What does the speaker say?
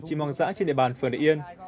chim hoang dã trên địa bàn phường đại yên